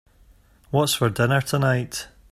What's for dinner tonight?